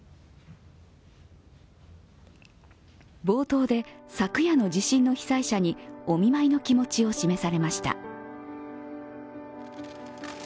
冒頭で昨夜の地震の被災者にお見舞いの気持ちを示されました。